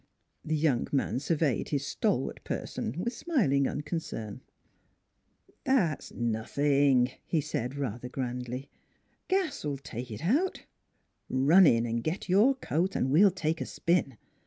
" The young man surveyed his stalwart person with smiling unconcern. " That's nothing," he said rather grandly. " Gas'll take it out. Run in and get your coat and we'll take a spin.